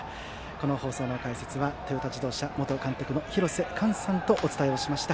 この放送の解説はトヨタ自動車元監督の廣瀬寛さんとお伝えしました。